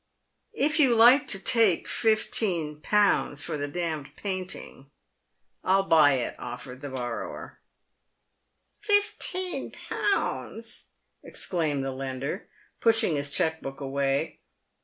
"If you like to take 151. for the d — d painting, I'll buy it," offered the borrower. "Fifteen pounds!" exclaimed the lender, pushing his cheque book away.